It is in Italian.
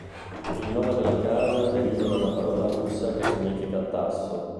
Il nome della casa deriva da una parola russa che significa "tasso".